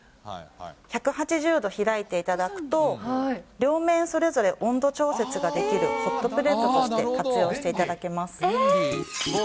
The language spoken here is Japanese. １８０度開いていただくと、両面それぞれ温度調節ができるホットプレートとして、活用していえー？